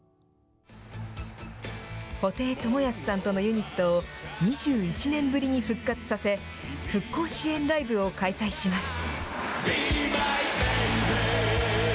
布袋寅泰さんとのユニットを２１年ぶりに復活させ、復興支援ライブを開催します。